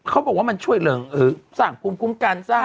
เขาบอกว่ามันช่วยสร้างภูมิภูมิกัน